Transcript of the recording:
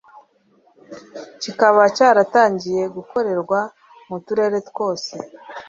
kikaba cyaratangiye gukorerwa mu turere twose